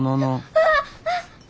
ああ。